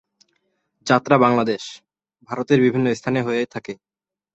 যাত্রা বাংলাদেশ, ভারতের বিভিন্ন স্থানে হয়ে থাকে।